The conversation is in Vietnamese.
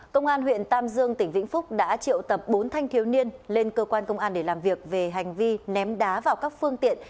công an huyện tam dương tỉnh vĩnh phúc đã triệu tập bốn thanh thiếu niên lên cơ quan công an để làm việc về hành vi ném đá vào các phương tiện